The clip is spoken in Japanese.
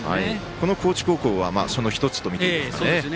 この高知高校はその１つとみていいですね。